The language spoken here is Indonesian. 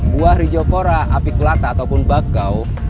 buah rijopora apiclata ataupun bakau